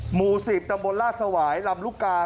หมูสีบตำบลราชสวายรำรุกาครับ